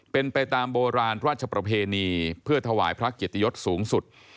เป็นไปตามโบราณราชประเพณีเพื่อถวายพระเกียรติยศสูงสุด